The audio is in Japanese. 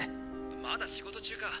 まだ仕事中か。